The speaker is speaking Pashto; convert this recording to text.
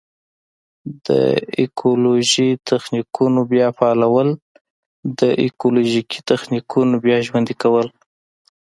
د ایکولوژیکي تخنیکونو بیا فعالول: د ایکولوژیکي تخنیکونو بیا ژوندي کول.